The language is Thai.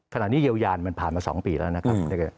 ขณะนี้เยียวยานมันผ่านมา๒ปีแล้วนะครับ